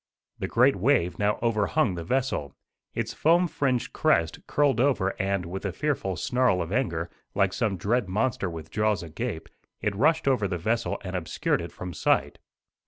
The great wave now overhung the vessel. Its foam fringed crest curled over and, with a fearful snarl of anger, like some dread monster with jaws agape, it rushed over the vessel and obscured it from sight.